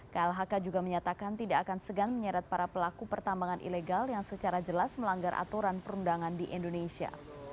klhk juga menyatakan tidak akan segan menyeret para pelaku pertambangan ilegal yang secara jelas melanggar aturan perundangan di indonesia